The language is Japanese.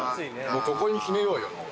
ここに決めようよ。